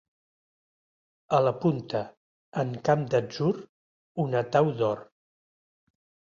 A la punta, en camp d'atzur, una tau d'or.